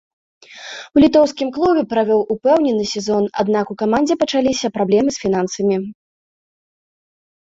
У літоўскім клубе правёў упэўнены сезон, аднак у камандзе пачаліся праблемы з фінансамі.